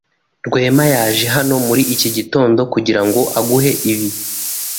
Rwema yaje hano muri iki gitondo kugirango aguhe ibi.